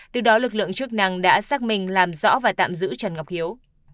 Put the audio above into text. từ đó lực lượng chức năng đã xác minh làm rõ và tạm giữ trần ngọc hiếu